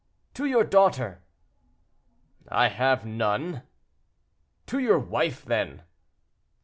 "To your daughter." "I have none."—"To your wife, then."